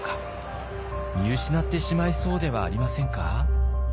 見失ってしまいそうではありませんか？